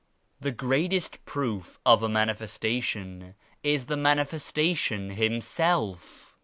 "The greatest proof of a Manifestation is the Manifestation Himself.